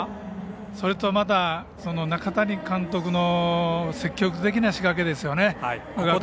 それと中谷監督の積極的な仕掛けですね。